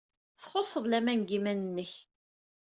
Txuṣṣed laman deg yiman-nnek.